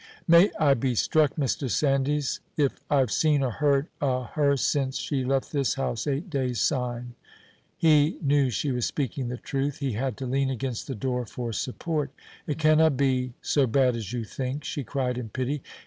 "May I be struck, Mr. Sandys, if I've seen or heard o' her since she left this house eight days syne." He knew she was speaking the truth. He had to lean against the door for support. "It canna be so bad as you think," she cried in pity.